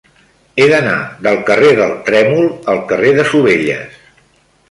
He d'anar del carrer del Trèmol al carrer de Sovelles.